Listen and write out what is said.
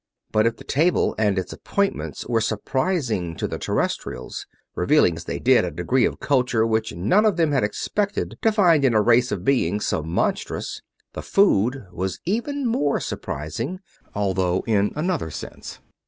But if the table and its appointments were surprising to the Terrestrials, revealing as they did a degree of culture which none of them had expected to find in a race of beings so monstrous, the food was even more surprising, although in another sense.